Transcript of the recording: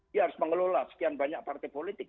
dia harus mengelola sekian banyak partai politik